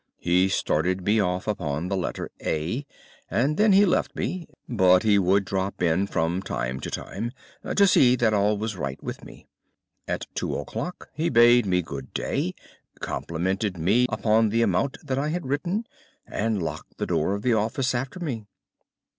He started me off upon the letter A, and then he left me; but he would drop in from time to time to see that all was right with me. At two o'clock he bade me good day, complimented me upon the amount that I had written, and locked the door of the office after me.